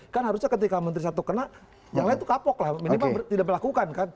kan harusnya ketika menteri satu kena yang lain itu kapok lah minimal tidak melakukan kan